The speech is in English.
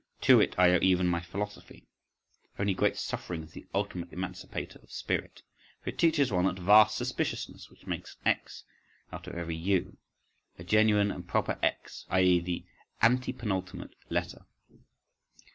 —To it, I owe even my philosophy.… Only great suffering is the ultimate emancipator of spirit, for it teaches one that vast suspiciousness which makes an X out of every U, a genuine and proper X, i.e., the antepenultimate letter.